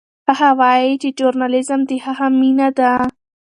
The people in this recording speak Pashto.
هغه وایي چې ژورنالیزم د هغه مینه ده.